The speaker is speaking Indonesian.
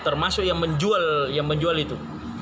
termasuk yang menjual itu